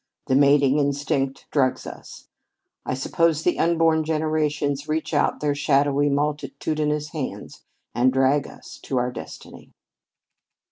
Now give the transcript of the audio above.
The mating instinct drugs us. I suppose the unborn generations reach out their shadowy multitudinous hands and drag us to our destiny!"